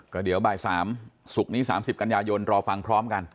ก็เดี๋ยวบ่าย๓ศุกร์นี้๓๐กันยายนรอฟังพร้อมกัน